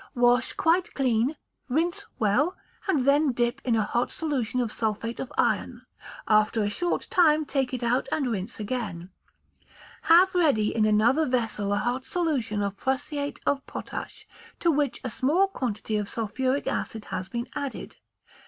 Wash quite clean, rinse well, and then dip in a hot solution of sulphate of iron: after a short time take it out and rinse again. Have ready in another vessel a hot solution of prussiate of potash, to which a small quantity of sulphuric acid has been added.